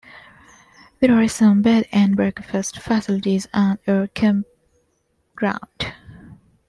There are some Bed and Breakfast facilities and a campground.